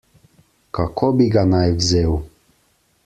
Kako bi ga naj vzel?